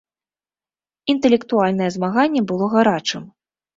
Інтэлектуальнае змаганне было гарачым.